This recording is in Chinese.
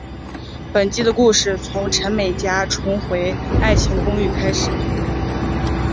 本季的故事从陈美嘉重回爱情公寓开始。